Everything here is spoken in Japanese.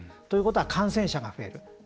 ということは、感染者が増える。